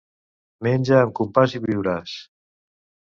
Menja amb compàs i viuràs.